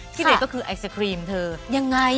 ที่เด็ดก็คือไอศครีมเธอยังไง